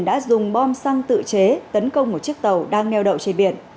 đã dùng bom xăng tự chế tấn công một chiếc tàu đang neo đậu trên biển